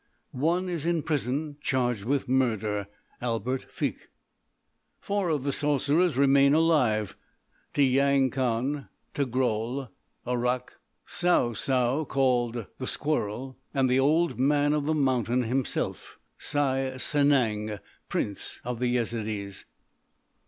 One is in prison charged with murder,—Albert Feke. "Four of the sorcerers remain alive: Tiyang Khan, Togrul, Arrak, Sou Sou, called The Squirrel, and the Old Man of the Mountain himself, Saï Sanang, Prince of the Yezidees."